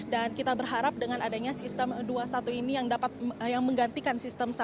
dan kita berharap dengan adanya sistem dua puluh satu ini yang dapat yang menggantikan sistem satu jalur ini